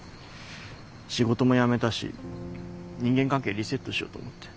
仕事も辞めたし人間関係リセットしようと思って。